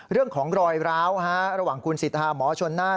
เรื่องของรอยร้าวระหว่างคุณสิทธาหมอชนน่าน